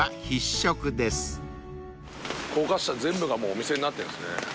高架下全部がお店になってるんですね。